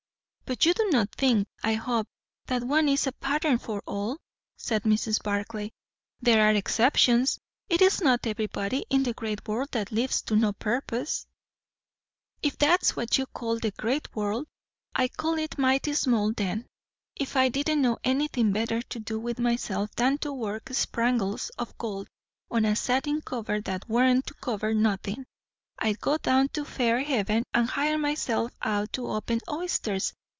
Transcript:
"But you do not think, I hope, that one is a pattern for all?" said Mrs. Barclay. "There are exceptions; it is not everybody in the great world that lives to no purpose." "If that's what you call the great world, I call it mighty small, then. If I didn't know anything better to do with myself than to work sprangles o' gold on a satin cover that warn't to cover nothin', I'd go down to Fairhaven and hire myself out to open oysters!